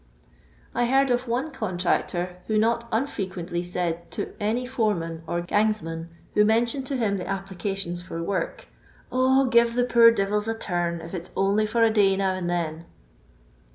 1 heard of one contractor who not unfrequently said to any foreman or gangsman who mentioned to him the applications for work, '* 0, give the poor devils a turn, if it 's only for a day now and then."